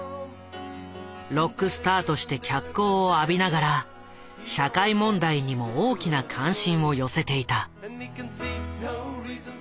ロックスターとして脚光を浴びながら社会問題にも大きな関心を寄せていた。